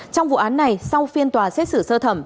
trong vụ án này sau phiên tòa xét xử sơ thẩm